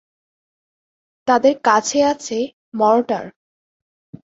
তাদের কাছে আছে মর্টার।